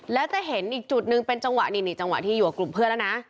แล้วจะเห็นอีกจุดนึงเป็นจังหวะนี่จังหวะที่อยู่กับกลุ่มเพื่อนแล้วนะ